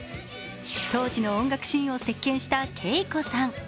当時の音楽シーンを席巻したＫＥＩＫＯさん。